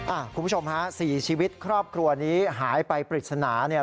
คุณผู้ชมฮะสี่ชีวิตครอบครัวนี้หายไปปริศนาเนี่ย